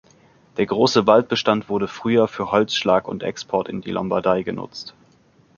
Der grosse Waldbestand wurde früher für Holzschlag und -export in die Lombardei genutzt.